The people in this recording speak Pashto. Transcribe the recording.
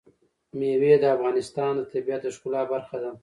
مېوې د افغانستان د طبیعت د ښکلا برخه ده.